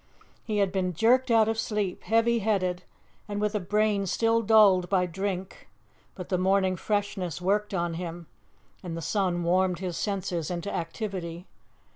He had been jerked out of sleep, heavy headed, and with a brain still dulled by drink, but the morning freshness worked on him, and the sun warmed his senses into activity.